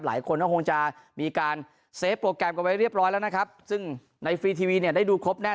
หลายคนก็คงจะมีการเซฟโปรแกรมกันไว้เรียบร้อยแล้วนะครับซึ่งในฟรีทีวีเนี่ยได้ดูครบแน่